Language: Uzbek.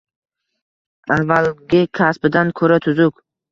Avvalgi kasbidan ko'ra tuzuk